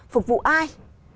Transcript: phục vụ ai